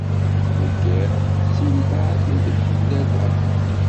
Deg yiḍ, tettili lɛafya deg uɣlad-a.